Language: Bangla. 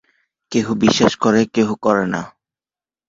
কেহ বিশ্বাস করে, কেহ করে না।